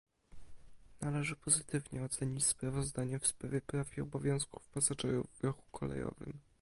Należy pozytywnie ocenić sprawozdanie w sprawie praw i obowiązków pasażerów w ruchu kolejowym